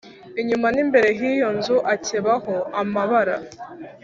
Inyuma n imbere h iyo nzu akebaho amabara